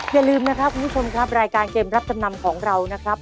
อย่าลืมนะครับคุณผู้ชมครับรายการเกมรับจำนำของเรานะครับ